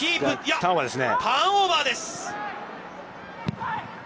ターンオーバーです。